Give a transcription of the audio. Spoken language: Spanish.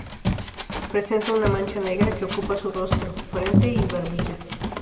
Presenta una mancha negra que ocupa su rostro, frente y barbilla.